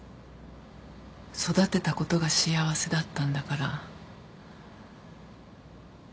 育てたことが幸せだったんだから。